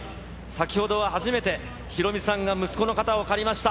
先ほどは初めてヒロミさんが息子の肩を借りました。